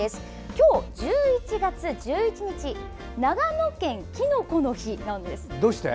今日１１月１１日は長野県きのこの日なんです。